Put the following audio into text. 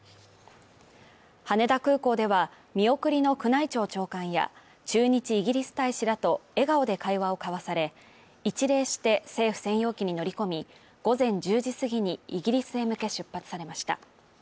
羽田空港では、見送りの宮内庁長官や中日イギリス大使らと笑顔で会話を交わされ、一礼して、政府専用機に乗り込み、午前１０時過ぎにイギリスへ向け出発されました。